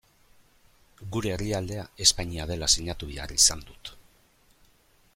Gure herrialdea Espainia dela sinatu behar izan dut.